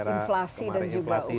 inflasi dan juga ukraine dan krisis